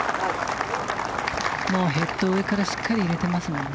ヘッドを上からしっかり入れてますもんね。